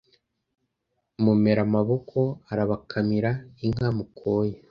Mumera amaboko arabakamira Inka mukoye